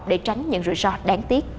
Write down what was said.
để tránh những rủi ro đáng tiếc